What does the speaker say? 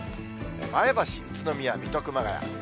前橋、宇都宮、水戸、熊谷。